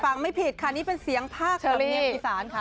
ฟังไม่ผิดค่ะนี่เป็นเสียงภาคกูเลย